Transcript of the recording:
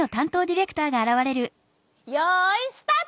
よいスタート！